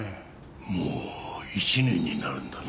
もう１年になるんだな。